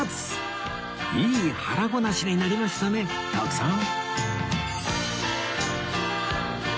いい腹ごなしになりましたね徳さん